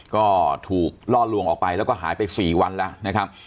ก็ถูกล่อลวงออกไปแล้วก็หายไป๔วันแล้วนะครับ